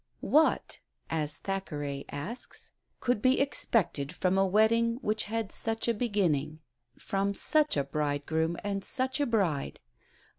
"What," as Thackeray asks, "could be expected from a wedding which had such a beginning from such a bridegroom and such a bride?